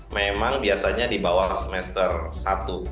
memang biasanya kita akan mencari harga beras yang lebih mahal